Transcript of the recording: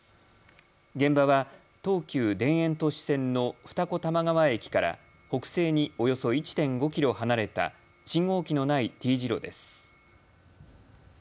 現場は東急田園都市線の二子玉川駅から北西におよそ１．５キロ離れた信号機のないＴ字路です。